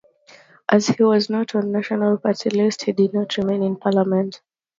As he was not on National's party list, he did not remain in Parliament.